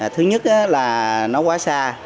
thứ nhất là nó quá xa